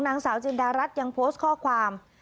นางสาวจินดารัฐยังโพสต์ข้อความ